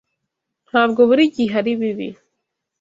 Ntabwo buri gihe aribi.